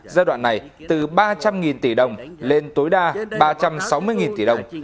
giai đoạn này từ ba trăm linh tỷ đồng lên tối đa ba trăm sáu mươi tỷ đồng